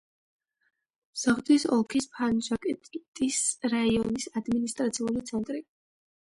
სოღდის ოლქის ფანჯაკენტის რაიონის ადმინისტრაციული ცენტრი.